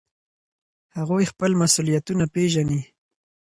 هغوی خپل مسؤلیتونه وپیژني.